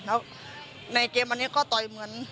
แล้วในเกมอันนี้ก็ต่อยเหมือน